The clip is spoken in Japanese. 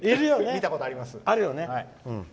見たことあります。